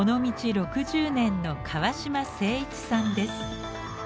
６０年の川島誠一さんです。